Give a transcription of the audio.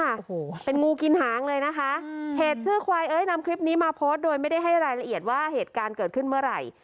โอ้โหเป็นงูกินหางเลยนะคะอืมเพจชื่อควายเอ้ยนำคลิปนี้มาโพสต์โดยไม่ได้ให้รายละเอียดว่าเหตุการณ์เกิดขึ้นเมื่อไหร่